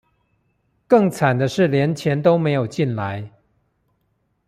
更慘的是連錢都沒有進來